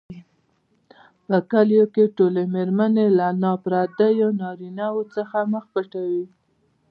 په کلیو کې ټولې مېرمنې له نا پردیو نارینوو څخه مخ پټوي.